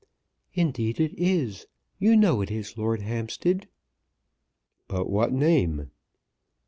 "Indeed it is. You know it is, Lord Hampstead." "But what name?"